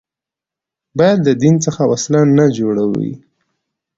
باید له دین څخه وسله نه جوړوي